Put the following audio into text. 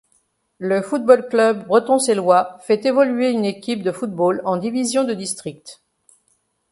Le Football club bretoncellois fait évoluer une équipe de football en division de district.